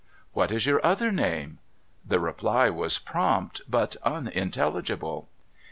' What is your other name ?' The reply was prompt, but unintelligible.